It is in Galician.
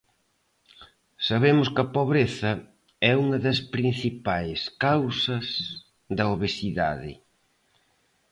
Sabemos que a pobreza é unha das principais causas da obesidade.